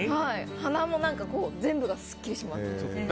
鼻も全部すっきりします。